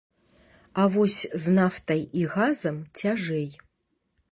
А вось з нафтай і газам цяжэй.